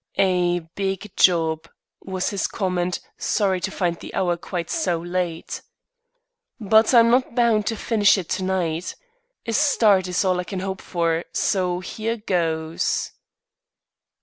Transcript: "A big job," was his comment, sorry to find the hour quite so late. "But I'm not bound to finish it to night. A start is all I can hope for, so here goes."